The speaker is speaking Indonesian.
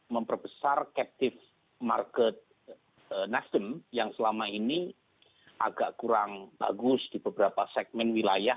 memperbesar captive market nasdem yang selama ini agak kurang bagus di beberapa segmen wilayah